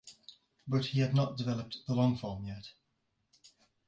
But he had not developed the long form yet.